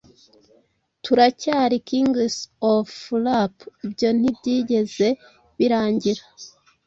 Turacyari kings of Rap ibyo ntibyigeze birangira